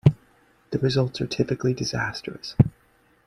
The results are typically disastrous.